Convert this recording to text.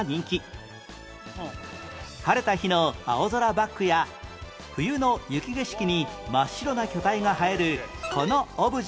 晴れた日の青空バックや冬の雪景色に真っ白な巨体が映えるこのオブジェの名前は？